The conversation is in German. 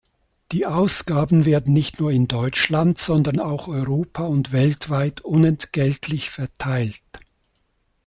Die Ausgaben werden nicht nur in Deutschland, sondern auch europa- und weltweit unentgeltlich verteilt.